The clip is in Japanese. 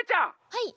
はい！